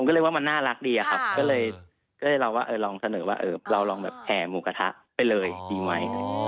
ก็เลยว่ามันน่ารักดีอะครับก็เลยเราว่าลองเสนอว่าเราลองแบบแห่หมูกระทะไปเลยดีไหม